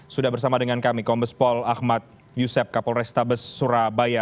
sudah bersama dengan kami kombespol ahmad yusef kapolrestabes surabaya